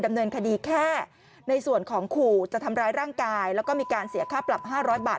ดำเนินคดีแค่ในส่วนของขู่จะทำร้ายร่างกายแล้วก็มีการเสียค่าปรับ๕๐๐บาท